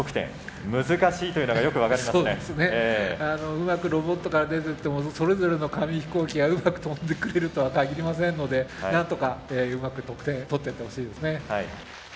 うまくロボットから出ていってもそれぞれの紙飛行機がうまく飛んでくれるとはかぎりませんのでなんとかうまく得点取っていってほしいですね。